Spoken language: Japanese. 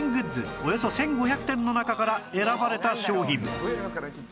およそ１５００点の中から選ばれた商品